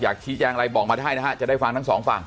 อยากชี้แจงอะไรบอกมาได้ให้นะครับจะได้ฟังทั้งสองฝั่ง